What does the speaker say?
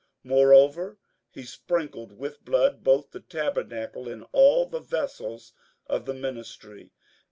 58:009:021 Moreover he sprinkled with blood both the tabernacle, and all the vessels of the ministry.